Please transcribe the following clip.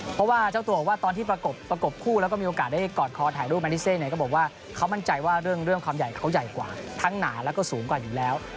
เพราะว่าเจ้าตัวบอกว่าตอนที่ประกบคู่แล้วก็มีโอกาสได้กอดคอถ่ายรูปแมนิเซเนี่ยก็บอกว่าเขามั่นใจว่าเรื่องความใหญ่เขาใหญ่กว่าทั้งหนาแล้วก็สูงกว่าอยู่แล้ว